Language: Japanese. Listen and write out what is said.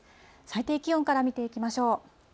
最低気温から見ていきましょう。